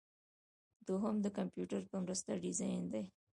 دوهم د کمپیوټر په مرسته ډیزاین دی.